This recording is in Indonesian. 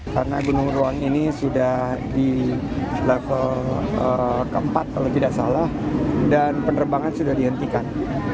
karena gunung ruang ini sudah di level keempat kalau tidak salah dan penerbangan sudah dihentikan